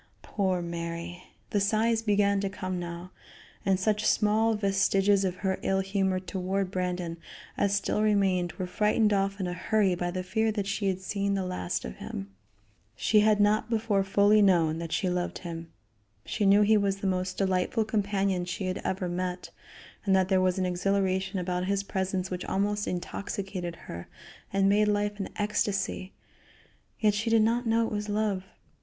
Poor Mary! The sighs began to come now, and such small vestiges of her ill humor toward Brandon as still remained were frightened off in a hurry by the fear that she had seen the last of him. She had not before fully known that she loved him. She knew he was the most delightful companion she had ever met, and that there was an exhilaration about his presence which almost intoxicated her and made life an ecstasy, yet she did not know it was love.